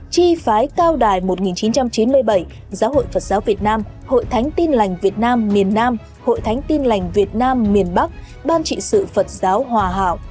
chi phái cao đài một nghìn chín trăm chín mươi bảy giáo hội phật giáo việt nam hội thánh tin lành việt nam miền nam hội thánh tin lành việt nam miền bắc ban trị sự phật giáo hòa hảo